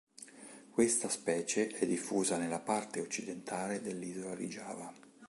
Questa specie è diffusa nella parte occidentale dell'isola di Giava.